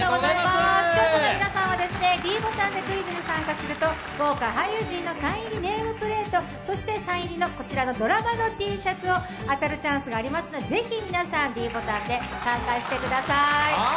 視聴者の皆さんにはｄボタンでクイズに参加すると豪華俳優陣のサイン入りネームプレート、そして、サイン入りのドラマのＴシャツが当たるチャンスがありますので是非、皆さんｄボタンで参加してください。